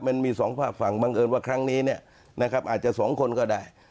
มันมี๒ภาพฝั่งบังเอิญว่าครั้งนี้อาจจะ๒คนก็ได้